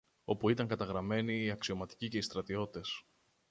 όπου ήταν καταγραμμένοι οι αξιωματικοί και οι στρατιώτες.